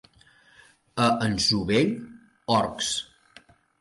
A Ansovell, orcs.